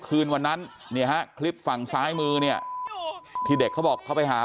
คืนวันนั้นเนี่ยฮะคลิปฝั่งซ้ายมือเนี่ยที่เด็กเขาบอกเขาไปหา